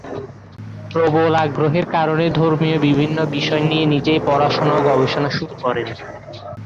প্রবল আগ্রহের কারণে ধর্মীয় বিভিন্ন বিষয় নিয়ে নিজেই পড়াশোনা ও গবেষণা শুরু করেন।